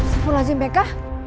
siapa lagi meka